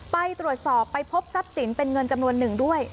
ไปตรวจสอบไปพบทรัพย์สินเป็นเงินจำนวนหนึ่งด้วย